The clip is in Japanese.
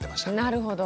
なるほど。